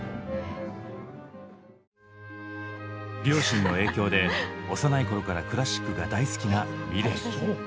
両親の影響で幼い頃からクラシックが大好きなｍｉｌｅｔ。